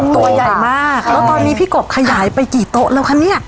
ตัวใหญ่มากแล้วตอนนี้พี่กบขยายไปกี่โต๊ะแล้วคะเนี่ย